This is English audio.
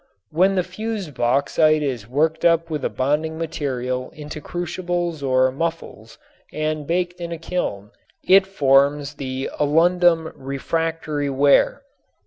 When the fused bauxite is worked up with a bonding material into crucibles or muffles and baked in a kiln it forms the alundum refractory ware.